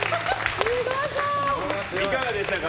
いかがでしたか？